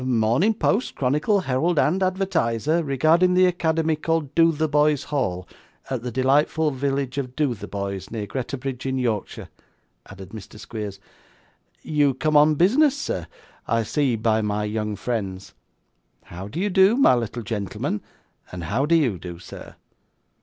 ' Morning Post, Chronicle, Herald, and Advertiser, regarding the Academy called Dotheboys Hall at the delightful village of Dotheboys, near Greta Bridge in Yorkshire,' added Mr. Squeers. 'You come on business, sir. I see by my young friends. How do you do, my little gentleman? and how do you do, sir?